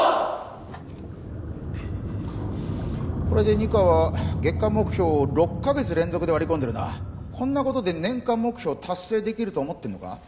これで二課は月間目標を６カ月連続で割り込んでるなこんなことで年間目標を達成できると思ってんのか？